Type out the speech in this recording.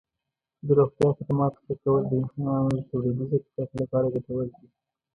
د روغتیا خدماتو ښه کول د انسانانو د تولیدي ظرفیت لپاره ګټور دي.